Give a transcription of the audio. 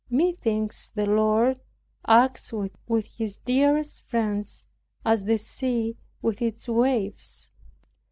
Methinks the Lord acts with His dearest friends as the sea with its waves.